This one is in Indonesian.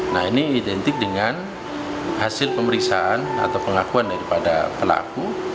nah ini identik dengan hasil pemeriksaan atau pengakuan daripada pelaku